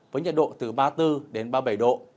với nhiệt độ từ ba mươi bốn đến ba mươi bảy độ